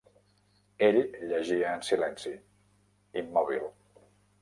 Ell llegia en silenci, immòbil.